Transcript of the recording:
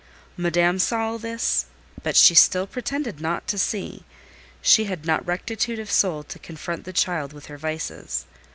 Madame saw all this, but she still pretended not to see: she had not rectitude of soul to confront the child with her vices.